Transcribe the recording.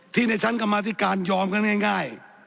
ที่ในชั้นกรรมาตริการยอมอำนาจง่าย